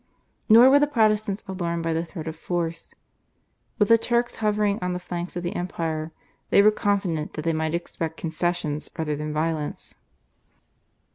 Nor were the Protestants alarmed by the threat of force. With the Turks hovering on the flanks of the empire, they were confident that they might expect concessions rather than violence.